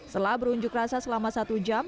setelah berunjuk rasa selama satu jam